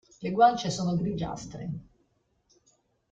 Le guance sono grigiastre.